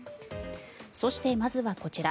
そして、まずはこちら。